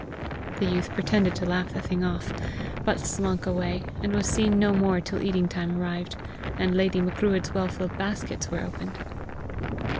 The youth pretended to laugh the thing off, but slunk away, and was seen no more till eating time arrived, and "Lady Macruadh's" well filled baskets were opened.